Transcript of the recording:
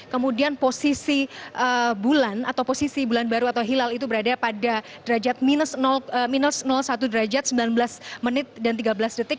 kemudian posisi bulan atau posisi bulan baru atau hilal itu berada pada derajat minus satu derajat sembilan belas menit dan tiga belas detik